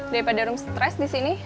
daripada rom stres disini